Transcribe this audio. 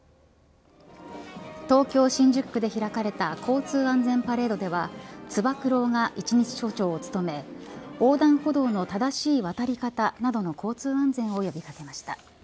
東京新宿区で開かれた交通安全パレードではつば九郎が一日署長を務め横断歩道の正しい渡り方などの交通安全を呼び掛けました。